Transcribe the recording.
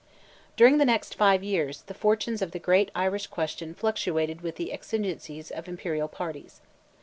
During the next five years, the fortunes of the great Irish question fluctuated with the exigencies of Imperial parties.